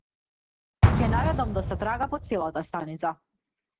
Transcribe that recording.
Ќе наредам да се трага по целата станица.